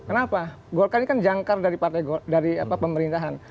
kenapa golkar ini kan jangkar dari pemerintahan